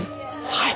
はい。